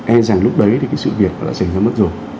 e rằng lúc đấy thì cái sự việc đã xảy ra mất rồi